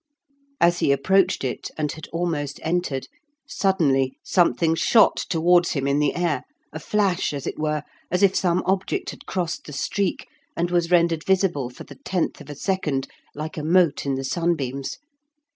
As he approached it and had almost entered, suddenly something shot towards him in the air; a flash, as it were, as if some object had crossed the streak, and was rendered visible for the tenth of a second, like a mote in the sunbeams.